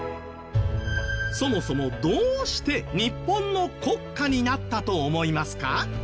そもそもどうして日本の国歌になったと思いますか？